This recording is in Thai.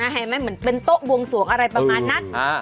เห็นไหมเหมือนเป็นโต๊ะบวงสวงอะไรประมาณนั้น